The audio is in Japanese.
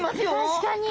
確かに。